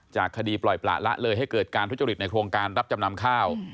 คดีปล่อยประละเลยให้เกิดการทุจริตในโครงการรับจำนำข้าว